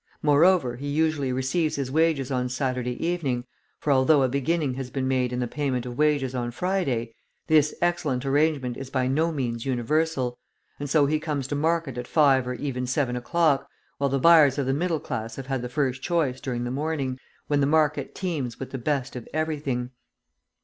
Moreover, he usually receives his wages on Saturday evening, for, although a beginning has been made in the payment of wages on Friday, this excellent arrangement is by no means universal; and so he comes to market at five or even seven o'clock, while the buyers of the middle class have had the first choice during the morning, when the market teems with the best of everything.